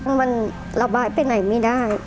มันระบายไปไหนไม่ได้